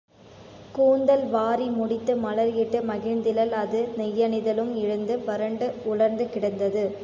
கூந்தல் வாரி முடித்து மலர் இட்டு மகிழ்ந்திலள் அது நெய்யணிதலும் இழந்து வறண்டு உலர்ந்து கிடந்தது.